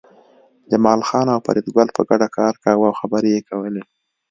جمال خان او فریدګل په ګډه کار کاوه او خبرې یې کولې